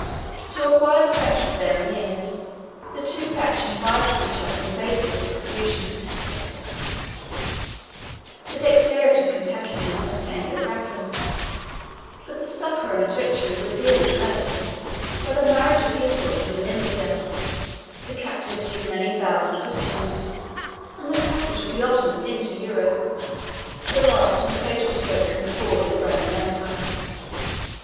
To acquire the friendship of their emirs, the two factions vied with each other in baseness and profusion: the dexterity of Cantacuzene obtained the preference: but the succor and victory were dearly purchased by the marriage of his daughter with an infidel, the captivity of many thousand Christians, and the passage of the Ottomans into Europe, the last and fatal stroke in the fall of the Roman empire.